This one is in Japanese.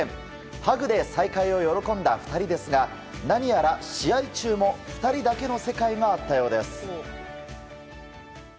ハグで再会を喜んだ２人ですが何やら試合中も２人だけの世界があったようです。